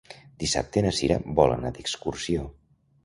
Dissabte na Cira vol anar d'excursió.